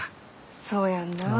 そうやんなあ。